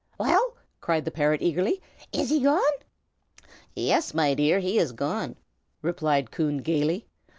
"Well?" cried the parrot, eagerly, "is he gone?" "Yes, my dear, he is gone!" replied Coon, gayly.